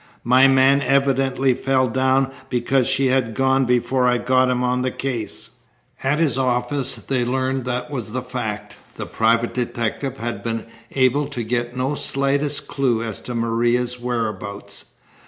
My man evidently fell down because she had gone before I got him on the case." At his office they learned that was the fact. The private detective had been able to get no slightest clue as to Maria's whereabouts.